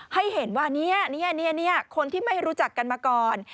ให้เห็นว่าคนที่ไม่รู้จักกันมาก่อน